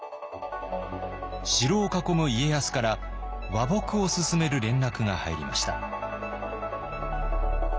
城を囲む家康から和睦をすすめる連絡が入りました。